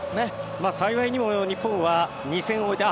幸いにも日本は２戦を終えて。